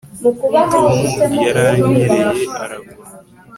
tom yaranyereye aragwa